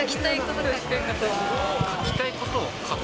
書きたいことを書く。